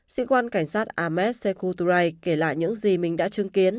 sĩ quan cảnh sát ahmed sekuturai kể lại những gì mình đã chứng kiến